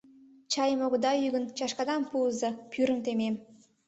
Чайым огыда йӱ гын, чашкадам пуыза, пӱрым темем.